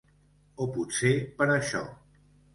O potser per això.